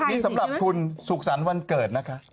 ทั้งหมดนี้สำหรับคุณสุขสรรค์วันเกิดนะคะ